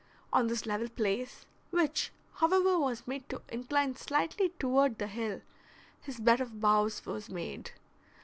On this level place, which, however, was made to incline slightly toward the hill, his bed of boughs was made.